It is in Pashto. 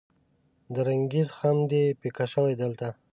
د رنګریز خم دې پیکه شوی دلته